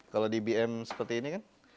kalau dbm seperti ini kan